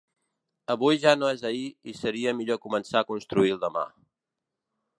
Avui ja no és ahir i seria millor començar a construir el demà.